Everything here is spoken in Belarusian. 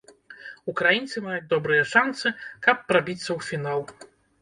Украінцы маюць добрыя шанцы, каб прабіцца ў фінал.